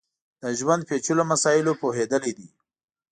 د ژوند پېچلیو مسایلو پوهېدلی دی.